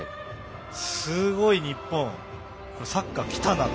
すごい、日本、サッカーきたなと。